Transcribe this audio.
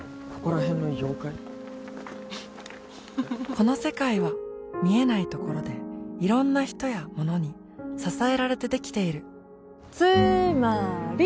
この世界は見えないところでいろんな人やものに支えられてできているつーまーり！